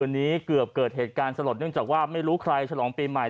วันนี้เกือบเกิดเหตุการณ์สลดเนื่องจากว่าไม่รู้ใครฉลองปีใหม่